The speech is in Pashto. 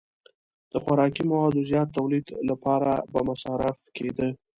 د خوراکي موادو زیات تولید لپاره به مصرف کېده.